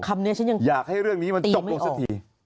ฉันยังอยากให้เรื่องนี้มันจบลงสักที